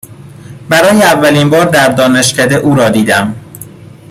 برای اولین بار در دانشکده او را دیدم.